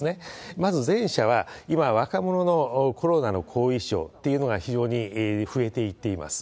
まず、前者は、今、若者のコロナの後遺症っていうのが非常に増えていっています。